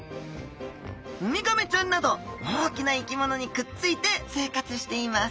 ウミガメちゃんなど大きな生き物にくっついて生活しています。